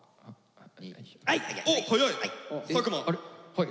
はい！